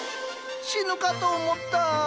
死ぬかと思った。